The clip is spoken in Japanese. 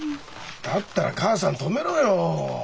だったら母さん止めろよ。